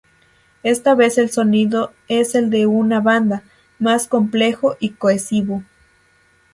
Esta vez el sonido es el de una banda, más complejo y cohesivo.